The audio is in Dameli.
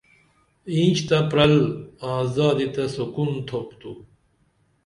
اینچ تہ پرل آں زادی تہ سکون تھوپ تو